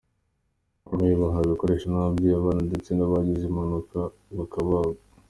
Abarwayi bahawe ibikoresho ni ababyeyi, abana ndetse n’abagize impanuka bakabagwa.